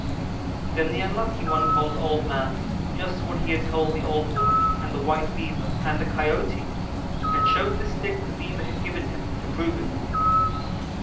"Then the Unlucky one told Old man just what he had told the old woman and the white Beaver and the Coyote, and showed the stick the Beaver had given him, to prove it.